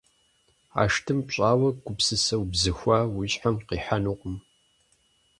ӀэштӀым пщӀауэ гупсысэ убзыхуа уи щхьэм къихьэнукъым.